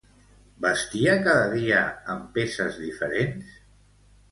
Vestia cada dia amb peces diferents?